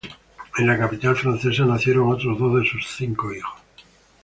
En la capital francesa nacieron otros dos de sus cinco hijos.